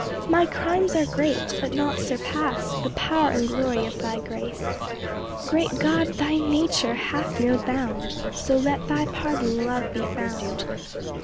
2 My crimes are great, but not surpass The power and glory of thy grace; Great God, thy nature hath no bound, So let thy pardoning love be found.